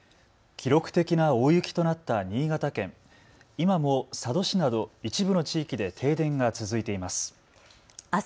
記録的な大雪となった新潟県、今も佐渡市など一部の地域で停電が続いています。